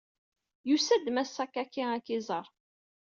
Yusa-d Mass Sakaki ad k-iẓeṛ.